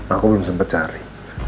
aku belum sempet cari